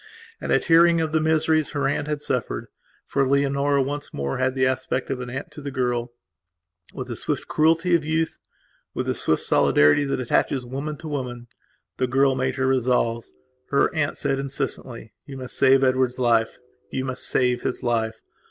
And, at hearing of the miseries her aunt had sufferedfor Leonora once more had the aspect of an aunt to the girlwith the swift cruelty of youth and, with the swift solidarity that attaches woman to woman, the girl made her resolves. Her aunt said incessantly: "You must save Edward's life; you must save his life.